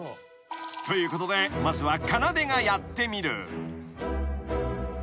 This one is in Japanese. ［ということでまずはかなでがやってみる］